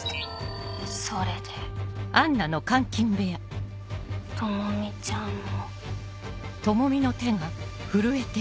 それで朋美ちゃんも。